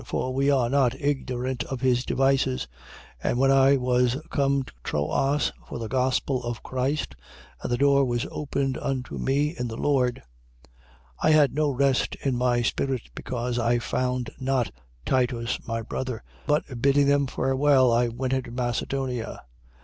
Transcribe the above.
For we are not ignorant of his devices. 2:12. And when I was come to Troas for the gospel of Christ and a door was opened unto me in the Lord, 2:13. I had no rest in my spirit, because I found not Titus my brother: but bidding them farewell, I went into Macedonia.